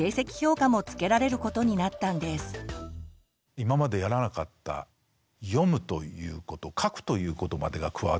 今までやらなかった「読む」ということ「書く」ということまでが加わってくる。